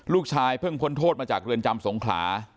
ลูกชายเพิ่งพ้นโทษมาจากเรือนจำสงขลา